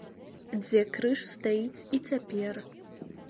Дзе крыж стаіць і цяпер.